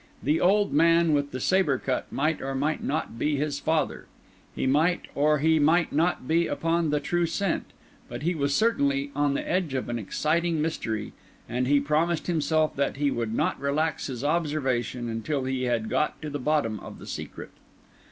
The old man with the sabre cut might or might not be his father; he might or he might not be upon the true scent; but he was certainly on the edge of an exciting mystery, and he promised himself that he would not relax his observation until he had got to the bottom of the secret.